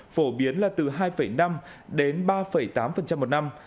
phổ biến là từ hai năm đến ba tám một năm